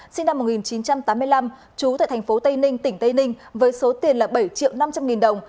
sinh năm một nghìn chín trăm tám mươi năm trú tại thành phố tây ninh tỉnh tây ninh với số tiền là bảy triệu năm trăm linh nghìn đồng